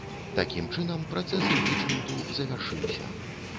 Такім чынам працэс імпічменту завяршыўся.